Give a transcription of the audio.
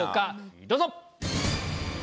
どうぞ！